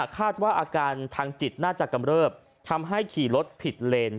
คาดว่าอาการทางจิตน่าจะกำเริบทำให้ขี่รถผิดเลน